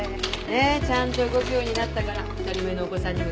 ちゃんと動くようになったから２人目のお子さんにも使えるわね。